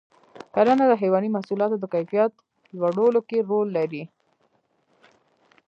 کرنه د حیواني محصولاتو د کیفیت لوړولو کې رول لري.